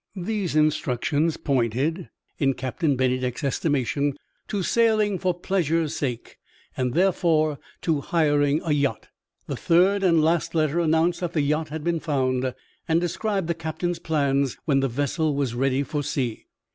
These instructions pointed, in Captain Bennydeck's estimation, to sailing for pleasure's sake, and therefore to hiring a yacht. The third and last letter announced that the yacht had been found, and described the captain's plans when the vessel was ready for sea.